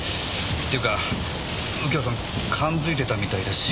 っていうか右京さん勘付いてたみたいだし。